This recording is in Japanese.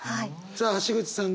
さあ橋口さん